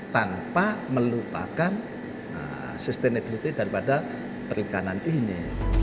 tanpa melupakan sustainability daripada perikanan ini